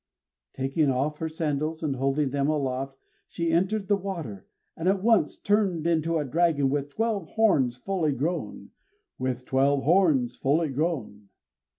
Taking off her sandals and holding them aloft, she entered the water, and at once turned into a dragon with twelve horns fully grown, _With twelve horns fully grown.